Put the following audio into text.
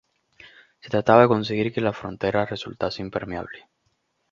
Se trataba de conseguir que la frontera resultase impermeable.